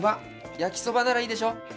焼きそばならいいでしょ？